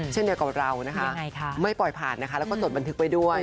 เช่นเดียวกับเรานะคะไม่ปล่อยผ่านนะคะแล้วก็จดบันทึกไว้ด้วย